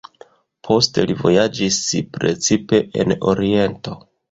Poste li vojaĝis, precipe en Oriento.